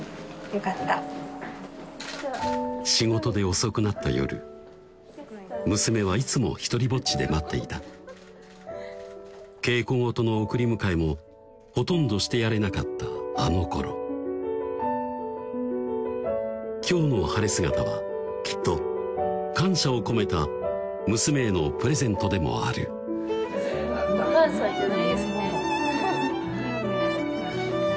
よかった仕事で遅くなった夜娘はいつも独りぼっちで待っていた稽古事の送り迎えもほとんどしてやれなかったあの頃今日の晴れ姿はきっと感謝を込めた娘へのプレゼントでもあるお母さんじゃないですね